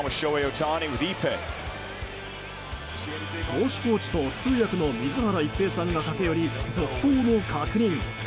投手コーチと通訳の水原一平さんが駆け寄り続投の確認。